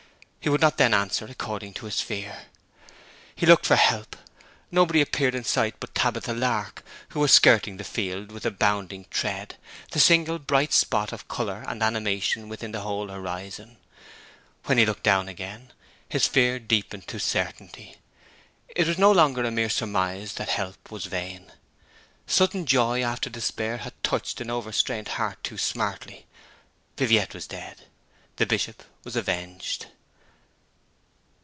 He would not then answer according to his fear. He looked up for help. Nobody appeared in sight but Tabitha Lark, who was skirting the field with a bounding tread the single bright spot of colour and animation within the wide horizon. When he looked down again his fear deepened to certainty. It was no longer a mere surmise that help was vain. Sudden joy after despair had touched an over strained heart too smartly. Viviette was dead. The Bishop was avenged.